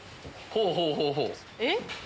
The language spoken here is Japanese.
えっ？